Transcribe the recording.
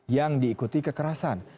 yang diikuti kekerasan